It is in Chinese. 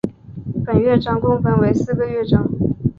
本乐曲共分为四个乐章。